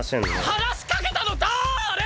話しかけたのだれ！